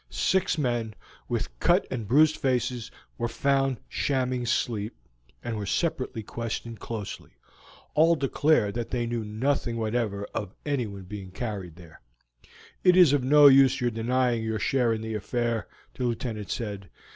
Six men; with cut and bruised faces, were found shamming sleep, and were separately questioned closely; all declared that they knew nothing whatever of anyone being carried there. "It is of no use your denying your share in the affair," the Lieutenant said.